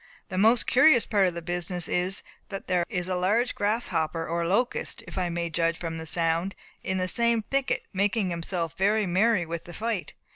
The most curious part of the business is, that there is a large grasshopper or locust (if I may judge from the sound), in the same thicket, making himself very merry with the fight.